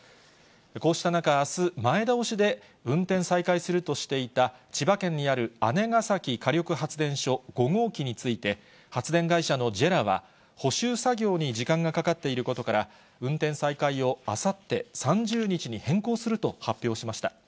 こうした中、あす、前倒しで運転再開するとしていた、千葉県にある姉崎火力発電所５号機について、発電会社のジェラは、補修作業に時間がかかっていることから、運転再開をあさって・３０日に変更すると発表しました。